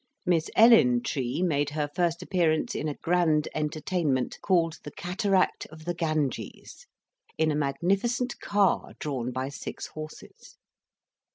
Miss Ellen Tree made her first appearance in a grand entertainment, called the Cataract of the Ganges, in a magnificent car drawn by six horses.